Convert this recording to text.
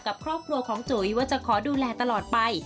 กับครอบครัวของจุ๋ยว่าจะขอดูแลตลอดไป